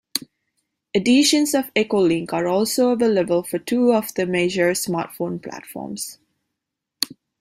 Editions of EchoLink are also available for two of the major smartphone platforms.